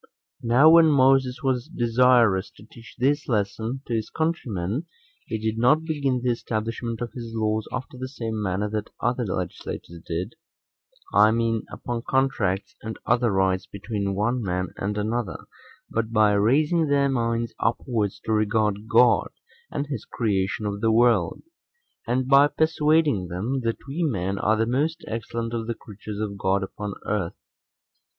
Now when Moses was desirous to teach this lesson to his countrymen, he did not begin the establishment of his laws after the same manner that other legislators did; I mean, upon contracts and other rights between one man and another, but by raising their minds upwards to regard God, and his creation of the world; and by persuading them, that we men are the most excellent of the creatures of God upon earth.